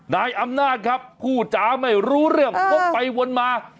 นายอำนาจครับพูดจาไม่รู้เรื่องพกไปวนมา